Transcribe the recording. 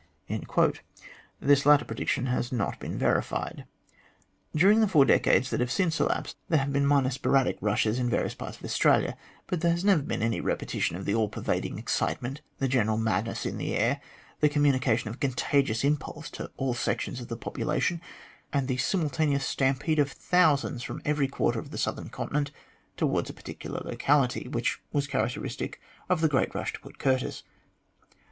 This latter prediction has not been verified. During the four decades that have since elapsed, there have been minor sporadic " rushes," in various parts of Australia ; but there has never been any repetition of the all pervading excitement, the general madness in the air, the communication of a contagious impulse to all sections of the population, and the simultaneous stampede of thousands from every quarter of the southern continent towards a particular locality, which were characteristic of the great rush to Port Curtis.